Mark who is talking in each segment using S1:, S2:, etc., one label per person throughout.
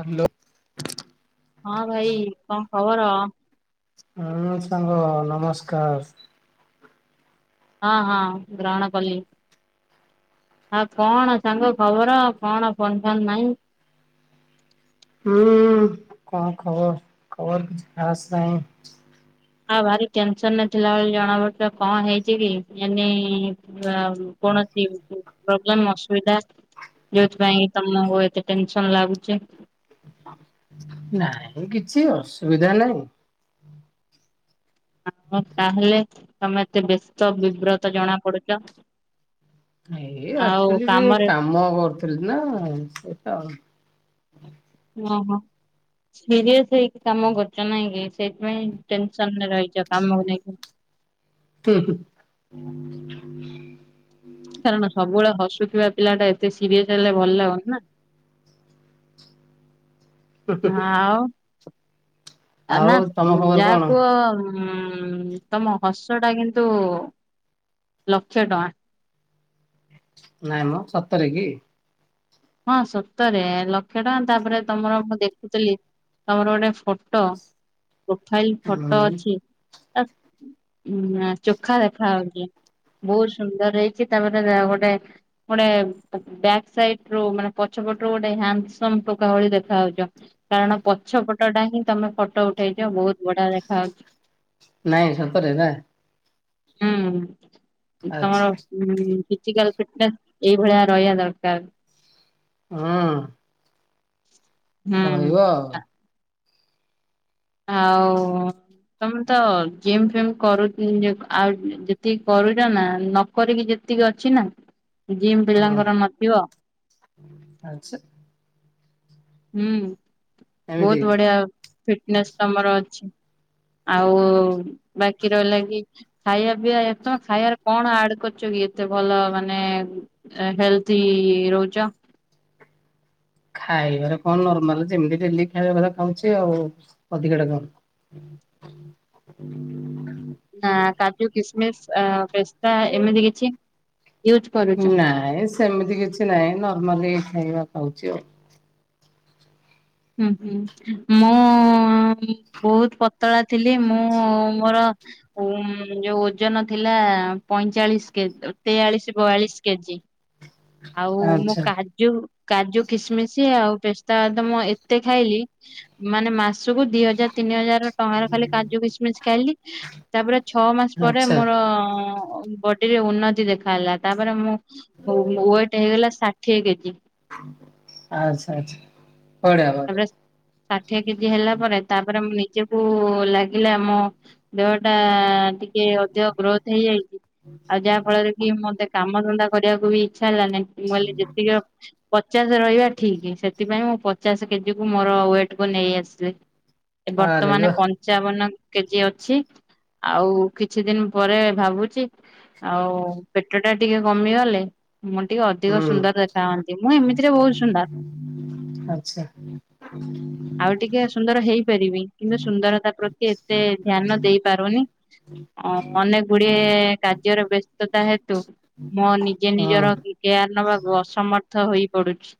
S1: Hello.
S2: ହଁ ଭାଇ କଣ ଖବର।
S1: ହୁଁ ସାଙ୍ଗ ନମସ୍କାଶ୍।
S2: ହଁ ହଁ ଗ୍ରହଣ କଲି। ଆ କଣ ସାଙ୍ଗ ଖବର କଣ ଫୋନ୍ ଫାନ ନାହିଁ।
S1: ହୁଁ କଣ ଖବର ଖବର କିଛି ଖାସ ନାହିଁ।
S2: ଆ ଭାରି ଟେନସନ ରେ ଥିଲାଭଳି ଜଣା ପଡୁଚ କଣ ହେଇଛି କି ଯେମିତି ପୂରା କୌଣସି [unintelligible] ପ୍ରୋବ୍ଲେମ୍ ଅସୁବିଧା ଯୋଉଥିପାଇଁ ତମକୁ ଏତେ ଟେନସନ୍ ଲାଗୁଛି।
S1: ନାଇଁ କିଛି ଅସୁବିଧା ନାଇଁ।
S2: ଆଉ ତାହେଲେ ତମେ ଏତେ ବ୍ୟସ୍ତ ବିବ୍ରତ ଜଣା ପଡୁଛ।
S1: ଏଇ
S2: ଆଉ
S1: ଆକ୍ଚୁଆଲି ଯେ
S2: କାମରେ
S1: କାମ କରୁଥିଲି ନା ସେ ତ
S2: ଓହୋ ସିରିଅସ୍ ହେଇକି କି କାମ କରୁଛ ନାଇଁ କି ସେଇଥିପାଇଁ ଟେନସନରେ ରହିଛ କାମକୁ ନେଇକି।
S1: [unintelligible]
S2: କାରଣ ସବୁବେଳେ ହସୁଥିବା ପିଲାଟା ଏତେ ସିରିଅସ ହେଲେ ଭଲ ଲାଗୁନି ନା। ନା ଆଉ। ଆ
S1: ଆଉ
S2: ନା
S1: ତମ ଖବର କଣ?
S2: ଯାକୁୁ ହ ତମ ହସ ଟା କିନ୍ତୁ ଲକ୍ଷେ ଟଙ୍କା।
S1: ନାଇଁ ମ ସତରେ କି।
S2: ହଁ ସତରେ ଲକ୍ଷେ ଟଙ୍କା ତାପରେ ତମର ମୁଁ ଦେଖୁଥିଲି ତମର ଗୋଟେ ଫଟୋ ପ୍ରୋଫାଇଲ ଫଟୋ
S1: ହୁଁ
S2: ଅଛି। ଆ ଚୋଖା ଦେଖା ହଉଚି। ବୋହୁତ ସୁନ୍ଦର ହେଇଚି ତାପରେ ଗୋଟେ ଗୋଟେ ବ୍ୟାକ୍ ସାଇଟ ଟ୍ରୋ ମା ପଛ ପଟରୁ ଗୋଟେ ହ୍ୟାଣ୍ଡ ସମ୍ ଟୋକା ଭଳି ଦେଖା ହାଉଛ। କାରଣ ପଛ ପଟଟା ହିଁ ତମେ ଫଟୋ ଉଠେଇଛ ବହୁତ ବଢିଆ ଦେଖା ହଉଛି।
S1: ନାଇଁ ସତରେ ନା।
S2: ହୁଁ
S1: ଆଚ୍ଛା
S2: ତମର ହୁଁ ଫିିଚିକାଲ ଫିଟନେସ ଏଇଭଳିଆ ରହିବା ଦରକାର।
S1: ହଁ।
S2: ହୁଁ
S1: ରହିବ ଆଉ।
S2: ଆଉ ତମେ ତ ଜିମ୍ ଫେମ କରୁ ଚ ଜ ଆଉ ଯେତିକି କରୁଛ ନା ନ କରିକି ଯେତିକି ଅଛି ନା ଜିମ୍ ପିଲାଙ୍କର ନଥିବ।
S1: ଆଛା।
S2: ହୁଁ
S1: ଏମିତି
S2: ବହୁତ ବଢିଆ ଫିଟନେସ୍ ତମର ଅଛି। ଆଉ ବାକି ରହିଲ କିି ଖାଇବା ପିଇବା ଏ ତମେ ଖାଇବାରେ କଣ ଆଡ କରୁଛ କି ଏତେ ଭଲ ମାନେ ଏ ହେଲତି ରହୁଛ।
S1: ଖାଇବାରେ କଣ ନର୍ମାଲ ଯେମିତି ଡେଲି ଖାଇବା କଥା ଖାଉଛି ଆଉ ଅଧିକାଟା କଣ। [inaudible]
S2: ନା କାଜୁ କିସମିସ ପେସ୍ତା ଏମିତି କିଛି ୟୁଜ କରୁଚ।
S1: ନାଇଁ ସେମିତି କିଛି ନାହିଁ ନର୍ମାଲି ଏଇ ଖାଇବା ଖାଉଛି ଆଉ।
S2: ହୁଁ ହୁଁ ମୁଁ ବହୁତ ପତଳା ଥିଲି ମୁଁ ମୋର ଉମ ଯୋଉ ଓଜନ ଥିଲା ପଇଁଚାଳିଶ କେ ତେୟାଳିଶ ବୟାଳିଶ କେଜି। ଆଉ ମୁଁ
S1: ଆଚ୍ଛା
S2: କାଜୁ କାଜୁ, କିସମିସ ଆଉ ପେସ୍ତା ବାଦାମ ଏ ଏତେ ଖାଇଲି, ମାନେ ମାସକୁ ଦି ହଜାର ତିନି ହଜାର ଟଙ୍କାର ଖାଲି କାଜୁ କିସମିସ ଖାଇଲି। ତାପରେ ଛଅ ମାସ ପରେ
S1: ଆଚ୍ଛା
S2: ମୋର ବ ଡି ରେ ଉନ୍ନତି ଦେଖାଗଲା, ତାପରେ ମୁଁ ମୋ ୱେଟ ହେଇଗଲା ଷାଠିଏ କେଜି।
S1: ଆଚ୍ଛା-ଆଚ୍ଛା ବଢିଆ-ବଢିଆ।
S2: ତାପରେ ଷାଠିଏ କେଜି ହେଲା ପରେ ତାପରେ ମୁଁ ନିଜେ କୁ ଲାଗିଲା ମୋ ଦେହ ଟା ଟିକେ ଅଧିକ ଗ୍ରୋଥ ହେଇଯାଇଛି। ଆଉ ଯାହା ଫଳରେ କି ମତେ କାମ ଧନ୍ଦା କରିବାକୁ ବି ଇଚ୍ଛା ହେଲାନାହିଁ ମୁଁ କହିଲି ଯେତିକି ଅ ପଚାଶ ରହିବା ଠିକ, ସେଥିପାଇଁ ମୁଁ ପଚାଶ କେଜି କୁ ମୋର ୱେଟ କୁ ନେଇ ଆସିଲି। ଏ
S1: ଆରେ
S2: ବର୍ତ୍ତମାନ
S1: ବାଃ।
S2: ପଞ୍ଚାବନ କେଜି ଅଛି। ଆଉ କିଛି ଦିନି ପରେ ଭାବୁଛି ଆଉ ପେଟ ଟା ଟିକେ କମିଗଲେ। ମୁଁ ଟିକେ ଅଧିକ
S1: ହୁଁ
S2: ସୁନ୍ଦର ଦେଖା ହଅନ୍ତି, ମୁଁ ଏମିତିରେ ବହୁତ ସୁନ୍ଦର।
S1: ଆଚ୍ଛ।
S2: ଆଉ ଟିକେ ସୁନ୍ଦର ହେଇପାରିବି, କିନ୍ତୁ ସୁନ୍ଦରତା ପ୍ରତି ଏତେ ଧ୍ୟାନ ଦେଇପାରୁନି। ଅ ଅନେକ ଗୁଡିଏ କାର୍ଯ୍ୟରେ ବ୍ୟସ୍ତତା ହେତୁ ମୋ ନିଜେ
S1: ହଁ
S2: ନିଜର କେୟାର ନବାକୁ ଅସମର୍ଥ ହୋଇପଡୁଛି।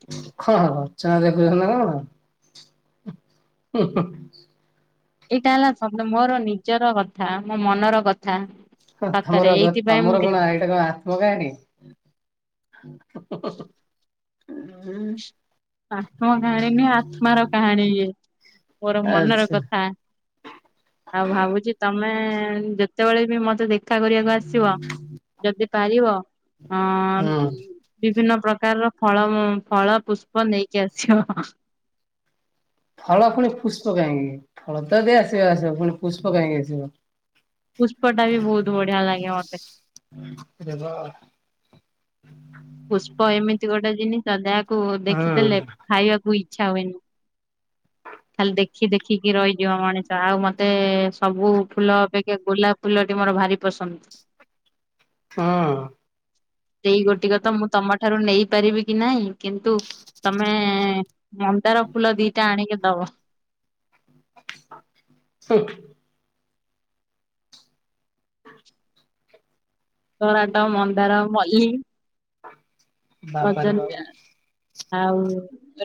S1: କଣ ରଚନା ଲେଖୁଛନ୍ତି ନା କଣ ହୁଁ ହୁଁ।
S2: ଏଇଟା ହେଲା ଶବ୍ଦ ମୋର ନିଜର କଥା ମୋ ମନର କଥା।
S1: ହୁଁ
S2: ସତରେ
S1: ତମର କ
S2: ଏଇଥିପାଇଁ ମୁଁ
S1: ତମର
S2: କି
S1: କଣ ଏଇଟା କଣ ଆ ଆତତ୍ମକାହାଣୀ ହୁଁ ହୁଁ ହୁଁ ଉଁ।
S2: ଆତ୍ମକାହାଣୀ ନୁହଁ ଆତ୍ମାର କାହାଣୀ ଇଏ। ମୋର ମନର
S1: ଆଚ୍ଛା
S2: କଥା। ଆଉ ଭାବୁଛି ତମେ ଯେତେବେଳେ ବି ମତେ ଦେଖ ଦେଖା କରିବାକୁ ଆସିବ, ଯଦି ପାରିବ ଅଁ
S1: ହୁଁ
S2: ବିଭିନ୍ନ ପ୍ରକାରର ଫଳ ମୂ ଫଳ ପୁଷ୍ପ ନେଇକି ଆସିବ।
S1: ଫଳ ପୁଣି ଫୁଷ୍ପ କାହିଁକି ଫଳ ତ ଦି ଆସିବ ଆସିବ ପୁଣି ପୁଷ୍ପ କାହିଁକି ଆସିବ?
S2: ପୁଷ୍ପଟା ବି ବହୁତ ବଢିଆ ଲାଗେ ମତେ।
S1: ରେବ
S2: ପୁଷ୍ପ ଏମିତି ଗୋଟେ ଜିନିଷ ଯାହାକୁ
S1: ହୁଁ
S2: ଦେଖିଦେଲେ
S1: ହୁଁ।
S2: ଖାଇବାକୁ ଇଚ୍ଛା ହୁଏନି। ଖାଲି ଦେଖି ଦେଖିକି ରହିଯିବ ମଣିଷ ଆଉ ମତେ ସବୁ ଫୁଲ ଅପେକ୍ଷା ଗୋଲାପ ଫୁଲଟି ମୋର ଭାରି ପସନ୍ଦ।
S1: ହଁ।
S2: ସେଇ ଗୋଟିକ ତ ମୁଁ ତମ ଠାରୁ ନେଇପାରିବି କି ନାହିଁ କିନ୍ତୁ ତମେ ମନ୍ଦର ଫୁଲ ଦିଟା ଆଣିକି ଦବ।
S1: ହୁଁ।
S2: ଟରାଟ, ମନ୍ଦାର, ମଲ୍ଲୀ।
S1: ବାବାରେ ବାବା
S2: ରଜନୀ ଆଉ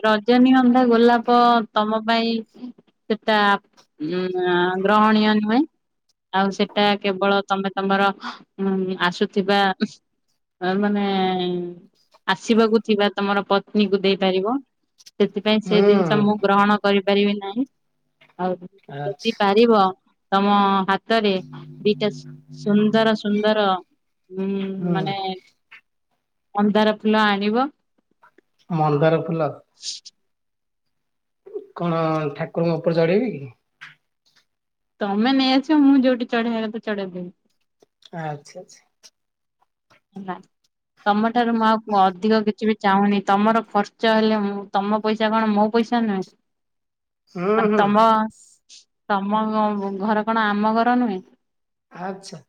S2: ରଜନୀଗନ୍ଧା, ଗୋଲାପ ତମ ପାଇଁ ସେଟା ଉ ଗ୍ରହଣୀୟ ନୁହେଁ। ଆଉ ସେଟା କେବଳ ତମେ ତମର ଉମ ଆସୁଥିବା ଆମାନେ ଆସିବାକୁ ଥିବା ତମର ପତ୍ନୀକୁ ଦେଇପାରିବ, ସେଥିପାଇଁ ସେ ଜିନିଷ
S1: ହୁଁ
S2: ମୁଁ ଗ୍ରହଣ କରିପାରିବି ନାହିଁ, ଆଉ
S1: ଆଚ୍ଛା
S2: ଯଦି ପାରିବ ତମ ହାତରେ ଦିଟା ସୁନ୍ଦର ସୁନ୍ଦର ଉଁ ମାନେ
S1: ହୁଁ
S2: ମନ୍ଦାର ଫୁଲ ଆଣିବ।
S1: ମନ୍ଦାର ଫୁଲ। କଣ ଠାକୁରଙ୍କ ଉପରେ ଚଢେଇବି କି?
S2: ତମେ ନେଇଆସିବ ମୁଁ ଯୋଉଠି ଚଢେଇବା କଥା ଚଢେଇ ଦେବି।
S1: ଆଚ୍ଛା ଆଛା।
S2: ହେଲା ତମ ଠାରୁ ମୁଁ ଆଉ ଅଧିକ କିଛି ବି ଚାହୁଁନି ତମର ଖର୍ଚ୍ଚ ହେଲେ ମୁଁ ତମ ପଇସା କଣ ମୋ ପଇସା ନୁହେଁ।
S1: ହୁଁ
S2: ଆ
S1: ହୁଁ
S2: ତମ ତମ ଘର କଣ ଆମ ଘର ନୁହେଁ।
S1: ଆଚ୍ଛା।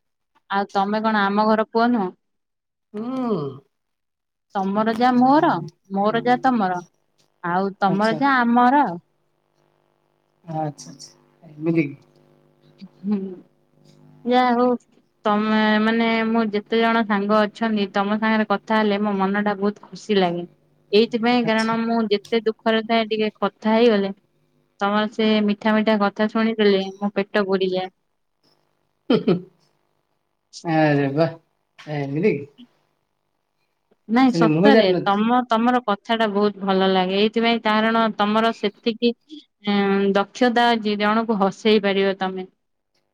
S2: ଆଉ ତମେ କଣ ଆମ ଘର ପୁଅନୁହଁ।
S1: ହୁଁ।
S2: ତମର ଯା ମୋର ମୋର ଯାହା ତମର ଆଉ
S1: ଆଚ୍ଛା
S2: ତମର ଯା ଆମର ଆଉ।
S1: ଆଚ୍ଛା ଆଛା ଏମିତିକି।
S2: ହୁଁ ଯା ହଉ। ତମେ ମାନେ ମୁଁ ଯେତେ ଜଣ ସାଙ୍ଗ ଅଛନ୍ତି ତମ ସାଙ୍ଗରେ କଥା ହେଲେ ମୋ ମନ ଟା ବହୁତ ଖୁସି ଲାଗେ ଏଇଥିପାଇଁ
S1: ଆଚ୍ଛା
S2: କାରଣ ମୁଁ ଯେତେ ଦୁଃଖରେ ଥାଏ ଟିକେ କଥା ହେଇଗଲେ। ତମର ସେ ମିଠା ମିଠା କଥା ଶୁଣିଦେଲେ ମୋ ପେଟ ବୁଡିଯାଏ।
S1: ଆରେ ବା ଏମିତି କି?
S2: ନାଇଁ
S1: ଆକ୍ଚୁଆଲି ମୁଁ
S2: ସତରେ
S1: ଜାଣିନଥିଲି
S2: ତମ ତମର କ କଥା ଟା ବହୁତ ଭଲ ଲାଗେ ଏଇଥିପାଇଁ କାରଣ ତମର ସେତିକି ଉଁ ଦକ୍ଷତା ଅଛି ଜଣକୁ ହସେଇ ପାରିବ ତମେ।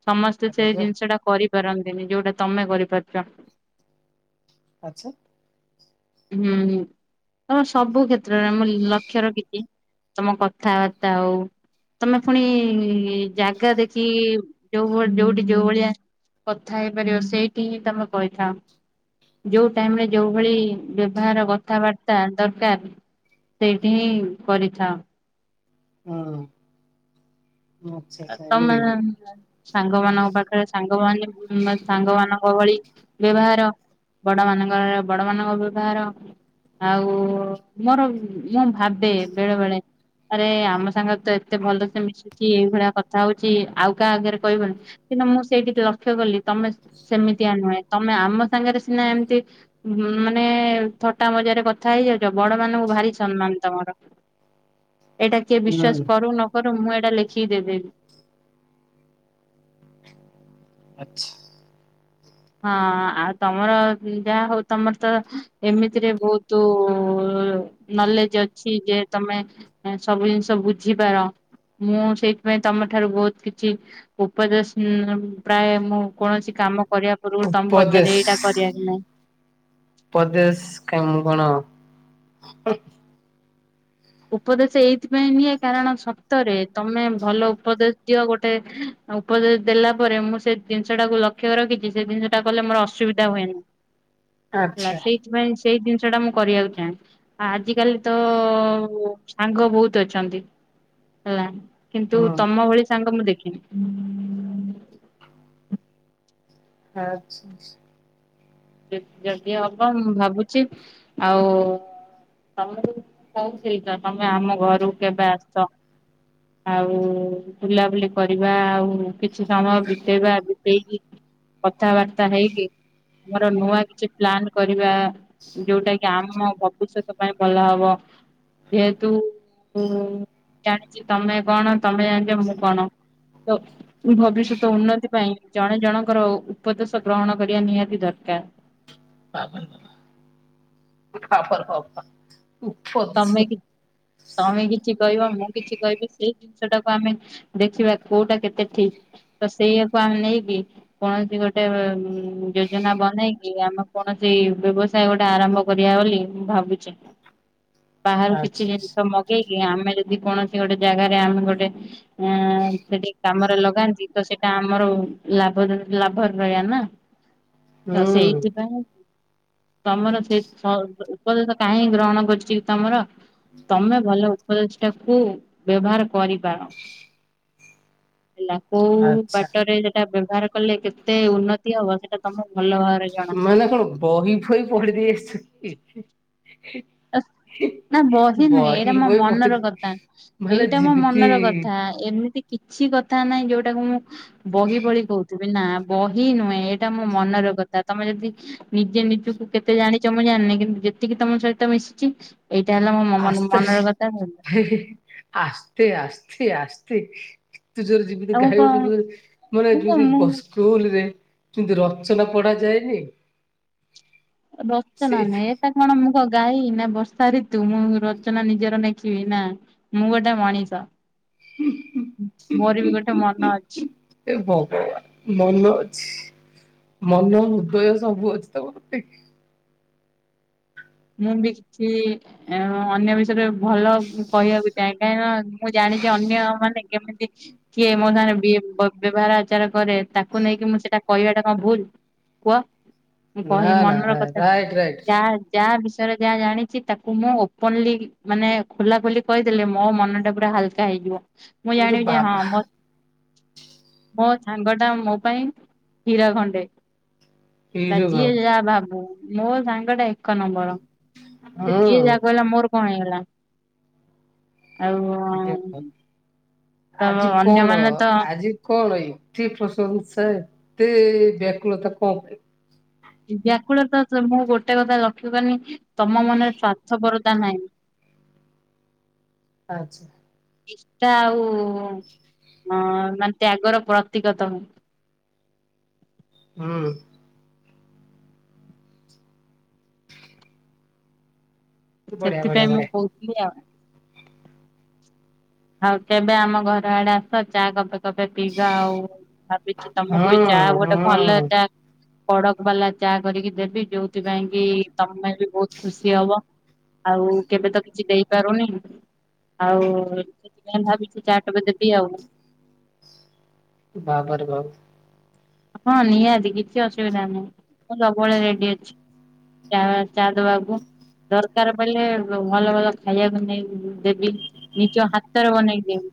S2: ସମସ୍ତେ
S1: ଆରେ
S2: ସେଇ
S1: ବା
S2: ଜିନିଷ ଟା କରିପାରନ୍ତିନି ଯୋଉଟା ତମେ କରିପାରୁଛ।
S1: ଆଚ୍ଛା।
S2: ହୁଁ ହୁଁ ତମ ସବୁ କ୍ଷେତ୍ରରେ ମୁଁ ଲକ୍ଷ୍ୟ ରଖିଛି। ତମ କଥାବାର୍ତ୍ତା ହଉ। ତମେ ପୁଣି ଜାଗା ଦେଖି ଯୋଉଳି ଯୋଉଠି ଯୋଉ ଭଳିଆ କଥା ହେଇପାରିବ ସେଇଠି ହିଁ ତମେ କହିଥାଅ ଯୋଉ ଟାଇମ ରେ ଯୋଉ ଭଳି ବ୍ୟବହାର କଥାବାର୍ତ୍ତା ଦରକାର ସେଇଠି ହିଁ କରିଥାଉ।
S1: ହଁ।
S2: ତମ ସାଙ୍ଗ ମାନଙ୍କ ପାଖରେ ସାଙ୍ଗମାନ ସାଙ୍ଗ ମାନଙ୍କ ଭଳି ବ୍ୟବହାର ବଡ ମାନଙ୍କର ବଡ ମାନଙ୍କ ବ୍ୟବହାର ଆଉ ମୋର ମୁଁ ଭାବେ ବେଳେ ବେଳେ ଆରେ ଆମ ସାଙ୍ଗରେ ତ ଏତେ ଭଲ ସେେ ମିଶୁଛି ଏଇଭଳିଆ କଥା ହଉଚଛି ଆଉ କାହା ଆଗରେ କହିବନି। କିନ୍ତୁ ମୁଁ ସେଇଠିକି ଲକ୍ଷ୍ୟ କଲି। ତମେ ସେମିତିଆ ନୁହେଁ ତମେ ଆମ ସାଙ୍ଗରେ ସିନା ଏମିତି ମାନେ ଥଟା ମଜାରେ କଥା ହେଇଯାଉଛ ବଡ ମାନଙ୍କୁ ଭାରି ସମ୍ମାନ ତମର ଏଇଟା କିଏ ବିଶ୍ଵାସ
S1: ହୁଁ
S2: କରୁ ନ କର ମୁଁ ଏଇଟା ଲେଖିକି ଦେଇଦେବି।
S1: ଆଚ୍ଛା।
S2: ହଁ ଆଉ ତମର ଯାହା ହଉ ତମର ତ ଏମିତିରେ ବହୁତ ନଲେଜ ଅଛି ଯେ ତମେ ସବୁ ଜିନିଷ ବୁଝିପାର। ମୁଁ ସେଇଥିପାଇଁ ତମ ଠାରୁ ବହୁତ କିଛି ଉପଦେଶ ପ୍ରାୟ ମୁଁ କୌଣସି କାମ କରିବା ପୂର୍ବରୁ ତମେ
S1: ଉପଦେଶ
S2: ପଚାରିଲେ ଏଇଟା କରିବା କି ନାଇଁ?
S1: ଉପଦେଶ କାମ କଣ?
S2: ଉପଦେଶ ଏଇଥିପାଇଁ ନିଏ କାରଣ ସତରେ ତମେ ଭଲ ଉପଦେଶ ଦିଅ ଗୋଟେ। ଉପଦେଶ ଦେଲା ପରେ ମୁଁ ସେ ଜିନିଷ ଟାକୁ ଲକ୍ଷ୍ୟ ରଖିଛି ସେ ଜିନିଷଟା କଲେ ମୋର ଅସୁବିଧା ହୁଏନିଁ। ହେଲା
S1: ଆଚ୍ଛା
S2: ସେଇଥିପାଇଁ ସେଇ ଜିନିଷ ଟା ମୁଁ କରିବାକୁ ଚାହେଁ ଆ ଆଜିିକାଲି ତ ସାଙ୍ଗ ବହୁତ ଅଛନ୍ତି ହେଲା କିନ୍ତୁ
S1: ହୁଁ
S2: ତମ ଭଳି ସାଙ୍ଗ ମୁଁ ଦେଖିନି। ହୁଁ।
S1: ଆଛା।
S2: ଯଦି ହବ ମୁଁ ଭାବୁଚି ଆଉ ତୋମକୁ ମୁଁ କଉଥିଲି ତ ତୋମେ ଆମ ଘରକୁ କେବେ ଆସ। ଆଉ ବୁଲାବୁଲି କରିବା ଆଉ। କିଛି ସମୟ ବିତେଇବା, ବିତେଇକି କଥାବାର୍ତ୍ତା ହେଇକି ଆମର ନୂଆ କିଛି ପ୍ଲାନ୍ କରିବା ଯୋଉଟା କି ଆମ ଭବ ଷ୍ୟତ ପାଇଁ ଭଲ ହବ। ଯେହେତୁ ଜାଣିଚି ତୋମେ କଣ? ତୋମେ ଜାଣିଚ ମୁଁ କଣ? ତ ଭବିଷ୍ୟତ ଉନ୍ନତି ପାଇଁ ଜଣେ ଜଣଙ୍କର ଉପଦେଶ ଗ୍ରହଣ କରିବା ନିହାତି ଦର କା
S1: ତାପରେ [inaudible] ତାପର ହବା।
S2: ତୋମେ ଟି ତମେ କିଛି କହିବ, ମୁଁ କିଛି କହିବି, ସେଇ ଜିନିଷ ଟାକୁ ଆମେ ଦେଖିବା କୋଉଟା କେତେ ଠିକ। ତ ସେଇଆକୁ ଆମେ ନେଇକି କୌଣସି ଗୋଟେ ଅ, ଉଁ, ଯୋଜନା ବନେଇକି ଆମେ କୌଣସି ବ୍ୟବସ ସାୟ ଗୋଟେ ଆରମ୍ଭ କରିବା ବୋଲି ମୁଁ ଭାବୁଚି। ବାହାରୁ କିଛି
S1: ଆଚ୍ଛା ଆଚ୍ଛା
S2: ଜିନିଷ ମଗେଇକି ଆମେ ଯଦି କୌଣସି ଗୋଟେ ଜାଗାରେ, ଆମେ ଗୋଟେ ଆଁ, ସେଠି କାମରେ ଲଗାନ୍ତି ତ ସେଟା ଆମର ଲାଭ [unintelligible] ଲାଭ ରେ ରହିବା ନା। ତ
S1: ହୁଁ
S2: ସେଇଥିପାଇଁ ତୋମର ସେ ସ-ଉପଦେଶ କାହିଁ ଗ୍ରହଣ କରଚି। ତୋମର ତୋମେ ଭଲ ଉପଦେଷଟାକୁ ବ୍ୟବହାର କରିପାର। ପିଲା କୋଉ
S1: ଆଚ୍ଛା
S2: ବାଟରେ ସେଟା ବ୍ୟବହାର କଲେ କେତେ ଉନ୍ନତି ହବ ସେଟା ତୋମ ଭଲ ଭା
S1: ମାନେ କଣ ବହି ଫହି ପଢି ଦେଇ ଆସଛ କି?
S2: ଏସ୍ ନା ବହି ନୁହେଁ ଏଇଟା ମୋ
S1: ବହି ପଢି
S2: ମନର କଥା,
S1: ମାନେ
S2: ଏଇଟା ମୋ
S1: ଯେମିତି
S2: ମନର କଥା। ଏମିତି କିଛି କଥା ନାହିଁ ଯୋଉଟାକୁ ମୁଁ ବହି ଭଳି କହୁଥିବି ନା, ବହି ନୁହେଁ ଏଇଟା ମୋ ମନର କଥା। ତୋମେ ଯଦି ନିଜେ ନିଜକୁ କେତେ ଜାଣିଚ ମୁଁ ଜାଣିନି। କିନ୍ତୁ ଯେତିକି ତୋମ ସହିତ ମିଶିଚି ଏଇଟା ହେଲା ମୋ ମନ ମନର କଥା ହେଲା।
S1: ହେ, ହେ, ହେ। ଆସ୍ତେ, ଆସ୍ତେ, ଆସ୍ତେ। ଏତେ ଜୋରେ ଯେମିତି
S2: ଆଉ ମୁଁ
S1: ଗାଇ ହଉଚ
S2: କଣ
S1: ତୋର ମାନେ
S2: ମୁଁ କଣ
S1: ଯେମିତି
S2: ମୁଁ
S1: ବସ୍ ସ୍କୁଲ୍ ରେ ଯେମିତି ରଚନା ପଢା ଯାଏନି?
S2: ରଚନା ନେ
S1: ସେଇଥି
S2: ଟା କଣ ମୁଁ କ ଗାଈ ନା ବର୍ଷା ଋତୁ ମୁଁ ରଚନା ନିଜର ନେଖିବି ନା। ମୁଁ ଗୋଟେ ମଣିଷ, ମୋର ବି ଗୋଟେ ମନ ଅଛି।
S1: ଏ ଭଗବାନ, ମନ ଅଛି, ମନ ହୃଦୟ ସବୁ ଅଛି ତୋମର ନା କି?
S2: ମୁଁ ବି କିଛିି ଏଁ, ଅଁ, ଅନ୍ୟ ବିଷୟରେ ଭଲ କହିବାକୁ ଚାହେଁ। କାହିଁକି ମୁଁ ଜାଣିଚି ଅନ୍ୟ ମାନେ କେମିତି କିଏ ମୋ ସାଙ୍ଗରେ ବିଏ ବୋ ବ୍ୟବହାର ଆଚାର କରେ ତାକୁ ନେଇକି ମୁଁ ସେଟା କହିବାଟା କଣ ଭୁଲ, କୁହ? ମୁଁ
S1: ନା
S2: କହି
S1: ନା
S2: ମନର କଥା
S1: ରାଇଟ ରାଇଟ
S2: ଯା ଯା ବିଷୟରେ ଯା ଜାଣିଚି ତାକୁ ମୁଁ ଓପନଲି ମାନେ ଖୋଲା ଖୋଲି କହିଦେଲେ ମୋ ମନ ଟା ପୁରା ହାଲ କା ହେଇଯିବ, ମୁଁ
S1: ଏଇରେ
S2: ଜାଣିବି ଯେ ହଁ
S1: ବାବା
S2: ମୋ ମୋ ସାଙ୍ଗ ଟା ମୋ ପାଇଁ ହୀରା ଖଣ୍ଡେ। ବା
S1: ଏଇରେ
S2: ଯିଏ
S1: ବାବା
S2: ଯା ଭାବୁ ମୋ ସାଙ୍ଗ ଟା ଏକ ନମ୍ବର୍ ସେ ଯିଏ
S1: ହଁ
S2: ଯା କହିଲା ମୋର କଣ ହେଇଗଲା, ଆଉ
S1: ଏଇରେ ବାବା
S2: ତ
S1: ଆଜି କଣ?
S2: ଅନ୍ୟମାନେ ତ
S1: ଆଜି କଣ ଏତେ ପ୍ରଶଂସା ଏତେ ବ୍ୟାକୁଳତା କଣ ପାଇଁ?
S2: ଏ ବ୍ୟାକୁଳ ତ ମୁଁ ଗୋଟେ କଥା ଲକ୍ଷ୍ୟ କନି, ତୋମ ମନରେ ସ୍ଵାର୍ଥପରତା ନାହିଁ।
S1: ଆଚ୍ଛା।
S2: ନିଷ୍ଠା ଆଉ ନ ମାନେ ତ୍ୟାଗର ପ୍ରତୀକ ତମେ।
S1: ହୁଁ। ବଢିଆ ବଢିଆ
S2: ସେଥିପାଇଁ ମୁଁ
S1: ବଢିଆ
S2: କହୁଥିଲି ଆଉ। ଆଉ କେବେ ଆମ ଘର ଆଡେ ଆସ ଚା କପେ କପେ ପିଇବା ଆଉ ଭାବିଛି ତମକୁ ଏଇ ଚା ଗୋଟେ ଭଲ
S1: ହୁଁ
S2: ଚା କଡକ ବାଲା ଚା କରିକି ଦେବି ଯୋଉଥିପାଇଁ କି ତମେ ବି ବହୁତ୍ ଖୁସି ହବ। ଆଉ କେବେ ତ କିଛି ଦେଇପାରୁନି ଆଉ ସେଥିପାଇଁ ଭାବିଛି ଚା ଟୋପେ ଦେବି ଆଉ।
S1: ବାବା ରେ ବାବ୍।
S2: ହଁ ନିହାତି କିଛି ଅସୁବିଧା ନାହିଁ ମୁଁ ସବୁବେଳେ ରେଡି ଅଛି। ଚା ଚା ଦବାକୁ। ଦରକାର୍ ପଇଲେ ଭଲ ଭଲ ଖାଇବାକୁ ନେଇ ଦେବି। ନିଜ ହାତରେ ବନେଇକି ଦେବି।